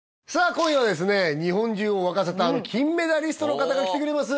今夜はですね日本中を沸かせた金メダリストの方が来てくれます